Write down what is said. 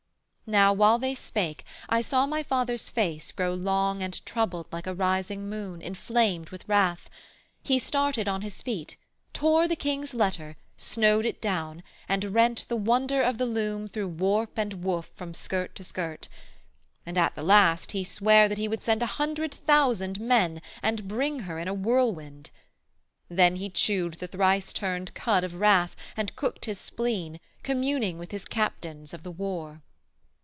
Now, while they spake, I saw my father's face Grow long and troubled like a rising moon, Inflamed with wrath: he started on his feet, Tore the king's letter, snowed it down, and rent The wonder of the loom through warp and woof From skirt to skirt; and at the last he sware That he would send a hundred thousand men, And bring her in a whirlwind: then he chewed The thrice turned cud of wrath, and cooked his spleen, Communing with his captains of the war.